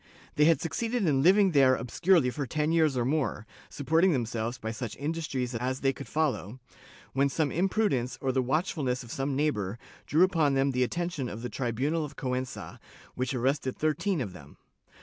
They had succeeded in living there obscurely for ten years or more, supporting them selves by such industries as they could follow, when some impru dence, or the watchfulness of some neighbor, drew upon them the attention of the tribunal of Cuenca, which arrested thirteen of them.